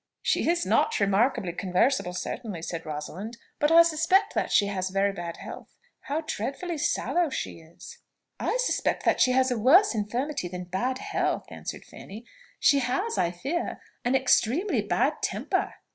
"She is not remarkably conversable, certainly," said Rosalind; "but I suspect that she has very bad health. How dreadfully sallow she is!" "I suspect that she has a worse infirmity than bad health," answered Fanny; "she has, I fear, an extremely bad temper."